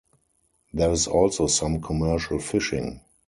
There is also some commercial fishing.